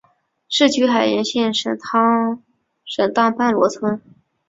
世居海盐县沈荡半逻村。